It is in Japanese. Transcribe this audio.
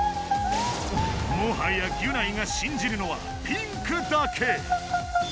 もはやギュナイが信じるのはピンクだけ。